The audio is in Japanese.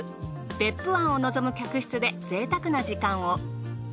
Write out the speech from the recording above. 別府湾を望む客室で贅沢な時間を。